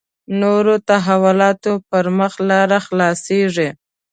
نورو تحولاتو پر مخ لاره خلاصېږي.